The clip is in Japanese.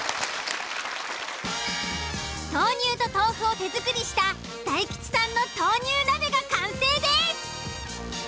豆乳と豆腐を手作りした大吉さんの豆乳鍋が完成です！